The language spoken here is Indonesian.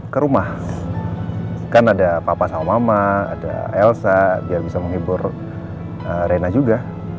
ke rumah kan ada papa sama mama ada elsa biar bisa menghibur rena juga